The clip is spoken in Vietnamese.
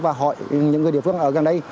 và hỏi những người địa phương ở gần đây